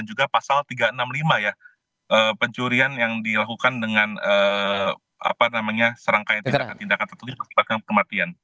juga pasal tiga ratus enam puluh lima ya pencurian yang dilakukan dengan serangkaian tindakan tindakan tertulis mengakibatkan kematian